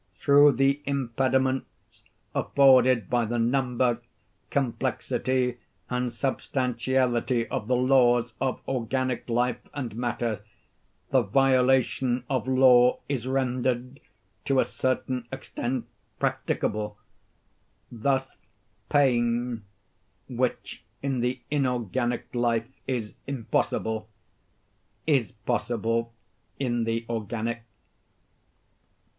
Through the impediments afforded by the number, complexity, and substantiality of the laws of organic life and matter, the violation of law is rendered, to a certain extent, practicable. Thus pain, which in the inorganic life is impossible, is possible in the organic.